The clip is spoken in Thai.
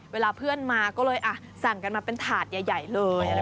เวลาเพื่อนมาก็เลยสั่งกันมาเป็นถาดใหญ่เลย